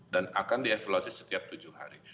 dan akan dievaluasi setiap tujuh hari